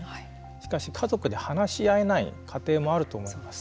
しかし、家族で話し合えない家庭もあると思います。